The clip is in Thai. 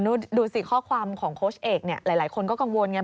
แต่ดูสิข้อความของโค้ชเอกหลายคนก็กังวลไง